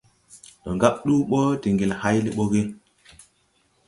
Ndo ŋgab ɗuu mbo de ŋgel háyle mbo ge ?